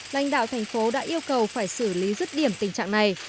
lãnh đạo tp đã yêu cầu phải xử lý rứt điểm tình trạng này